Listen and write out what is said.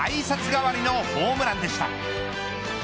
代わりのホームランでした。